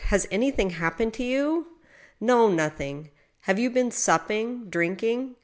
. Has anything happened to you?" « No—nothing." " Have you been supping, ... drinking?"